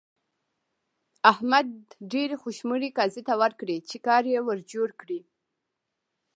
احمد ډېرې خوشمړې قاضي ته ورکړې چې کار يې ور جوړ کړي.